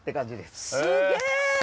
すげえ！